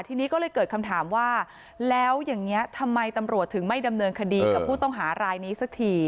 ทีนี้ก็เลยเกิดคำถามว่าแล้วอย่างนี้ทำไมตำรวจถึงไม่ดำเนินคดีกับผู้ต้องหารายนี้สักที